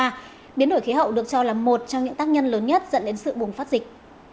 và biến đổi khí hậu được cho là một trong những tác nhân lớn nhất dẫn đến sự bùng phát dịch